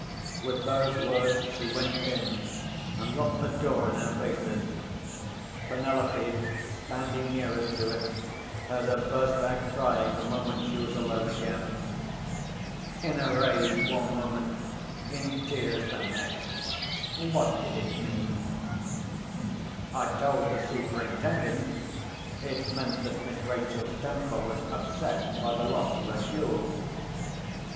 With those words she went in, and locked the door in our faces. Penelope, standing nearest to it, heard her burst out crying the moment she was alone again. In a rage, one moment; in tears, the next! What did it mean? I told the Superintendent it meant that Miss Rachel's temper was upset by the loss of her jewel.